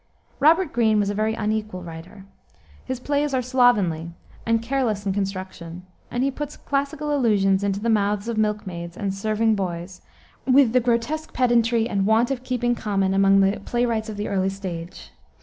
Robert Greene was a very unequal writer. His plays are slovenly and careless in construction, and he puts classical allusions into the mouths of milkmaids and serving boys, with the grotesque pedantry and want of keeping common among the playwrights of the early stage.